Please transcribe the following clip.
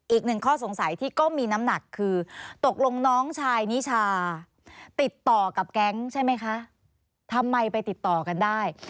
อีกหนึ่งข้อสงสัยที่ก็มีน้ำหนักคือตกลงน้องชายนิชาติดต่อกับแก๊งใช่ไหมคะทำไมไปติดต่อกันได้